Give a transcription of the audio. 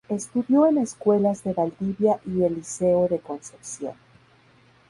Estudió en escuelas de Valdivia y el Liceo de Concepción.